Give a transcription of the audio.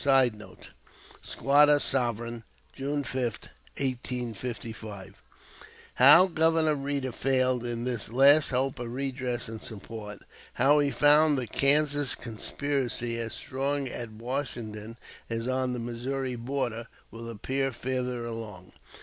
[Sidenote: "Squatter Sovereign," June 5, 1855.] How Governor Reeder failed in this last hope of redress and support, how he found the Kansas conspiracy as strong at Washington as on the Missouri border, will appear further along.